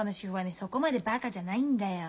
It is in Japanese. そこまでバカじゃないんだよ。